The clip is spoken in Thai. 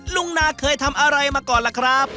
ลุงนาเคยทำอะไรมาก่อนล่ะครับ